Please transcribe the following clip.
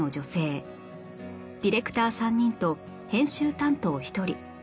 ディレクター３人と編集担当１人